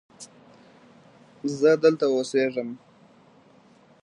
زه دلته اوسیږم